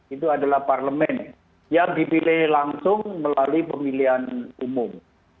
itu adalah parlemen yang dipilih langsung melalui pemilihan umum